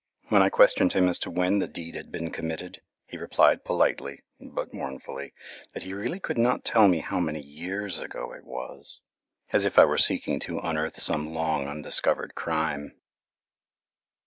When I questioned him as to when the deed had been committed, he replied politely, but mournfully, that he really could not tell me how many YEARS ago it was, as if I were seeking to unearth some long undiscovered crime.